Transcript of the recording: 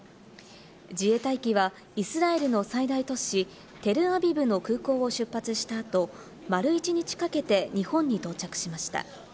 自衛隊機はイスラエルの最大都市テルアビブの空港を出発した後、丸一日かけて日本に到着しました。